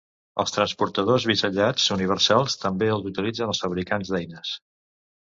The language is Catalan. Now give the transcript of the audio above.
Els transportadors bisellats universals també els utilitzen els fabricants d'eines.